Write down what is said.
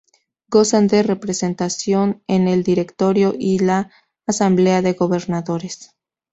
Gozan de representación en el Directorio y en la Asamblea de Gobernadores.